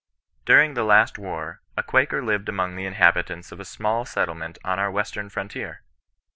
During the last war, a Quaker lived among the inhabitants of a small settlement on our western frontier.